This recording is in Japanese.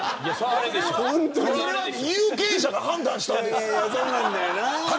それは有権者が判断したんです。